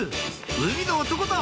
海の男だ！」